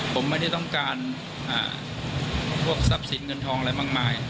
ผมไม่ได้ต้องการพวกทรัพย์สินเงินทองอะไรมากมาย